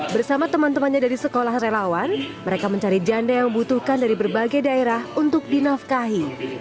bersama teman temannya dari sekolah relawan mereka mencari janda yang membutuhkan dari berbagai daerah untuk dinafkahi